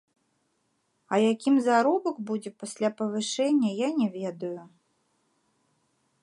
А якім заробак будзе пасля павышэння, я не ведаю.